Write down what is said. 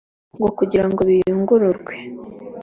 ngo kugirango biyungururwe